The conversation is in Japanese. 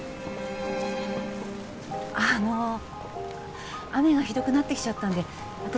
あの雨がひどくなってきちゃったんで私